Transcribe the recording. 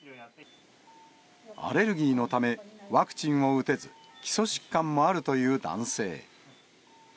アレルギーのためワクチンを打てず、基礎疾患もあるという男性。